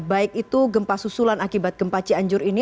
baik itu gempa susulan akibat gempa cianjur ini